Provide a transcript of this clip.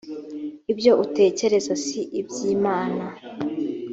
ibyo utekereza si iby’imana